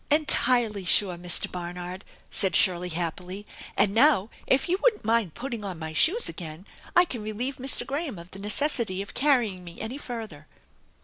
" Entirely sure, Mr. Barnard !" said Shirley happily, " and now if you wouldn't mind putting on my shoes again I can relieve Mr. GrsJiam of the necessity of carrying me an} further."